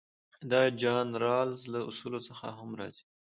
دا د جان رالز له اصولو څخه هم راځي.